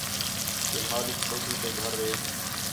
کہ مالک چھوٹو تے گھریک